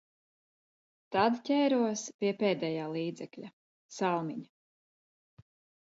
Tad ķēros pie pēdējā līdzekļa – salmiņa.